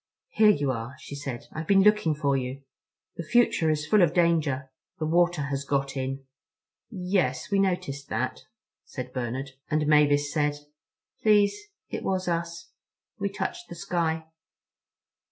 "Here you are," she said. "I've been looking for you. The future is full of danger. The water has got in." "Yes, we noticed that," said Bernard. And Mavis said: "Please, it was us. We touched the sky."